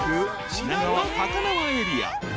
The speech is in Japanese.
品川高輪エリア］